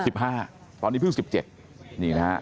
สิบห้าตอนนี้พึ่งสิบเจ็ดนี่นะฮะ